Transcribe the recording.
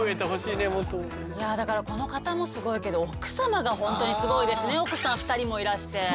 いやだからこの方もすごいけどお子さん２人もいらして。